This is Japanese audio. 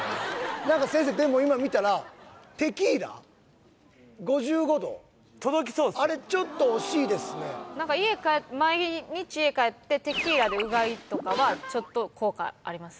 何か先生でも今見たらテキーラ５５度あれちょっと惜しいですね毎日家帰ってテキーラでうがいとかはちょっと効果あります？